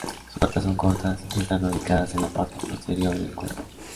Sus patas son cortas y están ubicadas en la parte posterior del cuerpo.